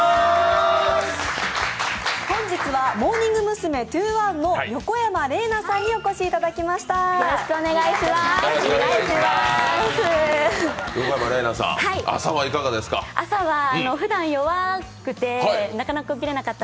本日はモーニング娘’２１の横山玲奈さんにお越しいただきました。